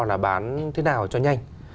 là bán thế nào cho nhanh